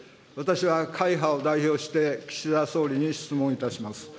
私は会派を代表して岸田総理に質問いたします。